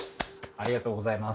ありがとうございます。